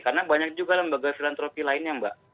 karena banyak juga lembaga filantropi lainnya mbak